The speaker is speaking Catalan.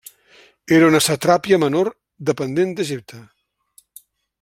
Era una satrapia menor dependent d'Egipte.